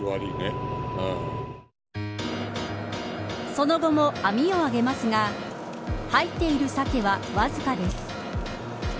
その後も網を上げますが入っているサケは、わずかです。